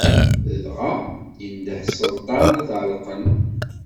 Dɣa yendeh Selṭan ad t-ɛelqen.